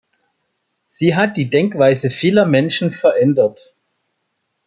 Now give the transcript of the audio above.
Sie hat die Denkweise vieler Menschen verändert.